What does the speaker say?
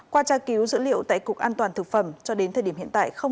qua tra cứu dữ liệu tại cục an toàn thực phẩm cho đến thời điểm hiện tại